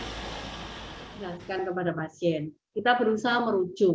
menjelaskan kepada pasien kita berusaha merujuk